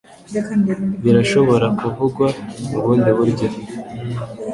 Birashobora kuvugwa mubundi buryo?